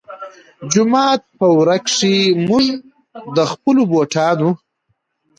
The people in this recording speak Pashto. جومات پۀ ورۀ کښې مونږ د خپلو بوټانو